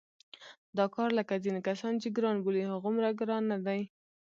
دا کار لکه ځینې کسان چې ګران بولي هغومره ګران نه دی.